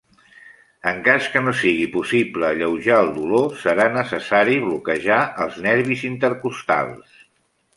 En cas que no sigui possible alleujar el dolor serà necessari bloquejar els nervis intercostals.